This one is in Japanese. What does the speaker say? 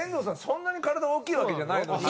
そんなに体大きいわけじゃないのに。